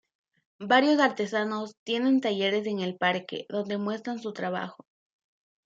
Varios artesanos tienen talleres en el parque donde muestran su trabajo.